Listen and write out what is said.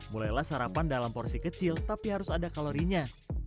mulailah sarapan dalam porsi kecil tapi harus ada kalorinya